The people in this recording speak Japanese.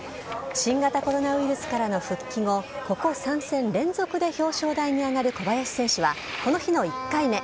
新型コロナウイルスからの復帰後、ここ３戦連続で表彰台に上がる小林選手は、この日の１回目。